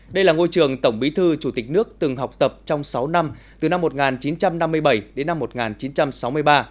đây là ngôi trường tổng bí thư chủ tịch nước từng học tập trong sáu năm từ năm một nghìn chín trăm năm mươi bảy đến năm một nghìn chín trăm sáu mươi ba